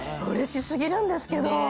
うれし過ぎるんですけど。